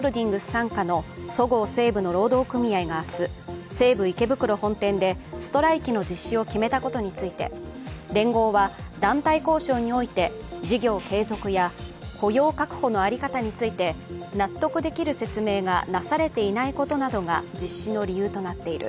傘下のそごう・西武の労働組合が明日西武池袋本店でストライキの実施を決めたことについて、連合は団体交渉において事業継続や雇用確保の在り方について納得できる説明がなされていないことなどが実施の理由となっている